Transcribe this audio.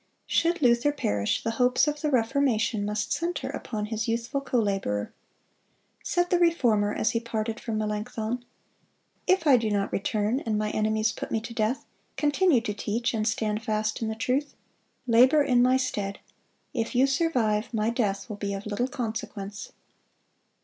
Should Luther perish, the hopes of the Reformation must center upon his youthful co laborer. Said the Reformer as he parted from Melanchthon: "If I do not return, and my enemies put me to death, continue to teach, and stand fast in the truth. Labor in my stead.... If you survive, my death will be of little consequence."